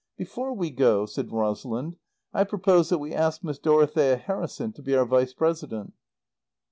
"Before we go," said Rosalind, "I propose that we ask Miss Dorothea Harrison to be our Vice President."